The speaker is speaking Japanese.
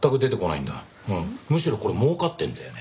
むしろこれ儲かってるんだよね。